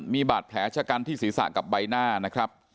มีบาดแผลชะกันที่ศีรษะกับใบหน้านะครับ